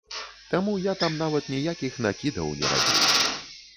Таму я там нават ніякіх накідаў не рабіў.